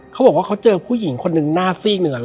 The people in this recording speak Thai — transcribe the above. เค้าบอกว่าเค้าเจอผู้หญิงหน้าสิ้งเลย